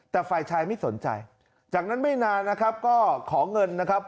แต่ฝ่ายชายไม่สนใจจากนั้นไม่นานนะครับก็ขอเงินนะครับ